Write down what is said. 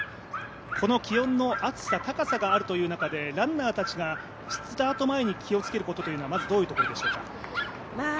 この気温の高さがある中でランナーたちがスタート前に気をつけるところはどういうところでしょうか？